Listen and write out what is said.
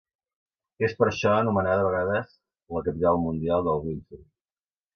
És per això anomenada a vegades "La capital mundial del windsurf".